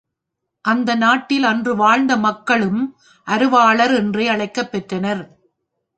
அந்நாட்டில் அன்று வாழ்ந்த மக்களும் அருவாளர் என்றே அழைக்கப் பெற்றனர்.